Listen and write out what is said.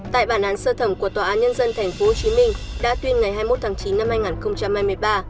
tại bản án sơ thẩm của tòa án nhân dân tp hcm đã tuyên ngày hai mươi một tháng chín năm hai nghìn hai mươi ba